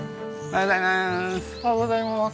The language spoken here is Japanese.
おはようございます。